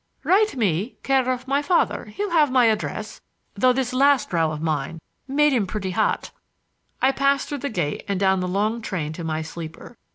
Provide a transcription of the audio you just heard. "Write me, care of my father—he'll have my address, though this last row of mine made him pretty hot." I passed through the gate and down the long train to my sleeper.